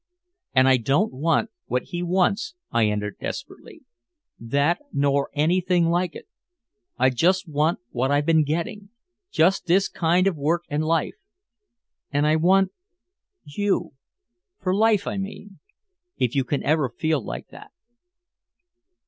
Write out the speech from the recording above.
"And I don't want what he wants," I ended desperately. "That nor anything like it. I want just what I've been getting just this kind of work and life. And I want you for life, I mean if you can ever feel like that."